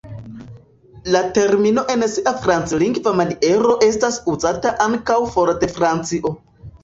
La termino en sia franclingva maniero estas uzata ankaŭ for de Francio.